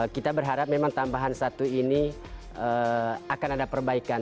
kita berharap memang tambahan satu ini akan ada perbaikan